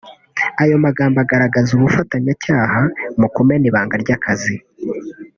ayo magambo agaragaza ubufatanyacyaha mu kumena ibanga ry’akazi